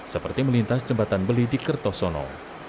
seperti melintas jembatan beli di kertosono